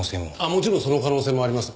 もちろんその可能性もあります。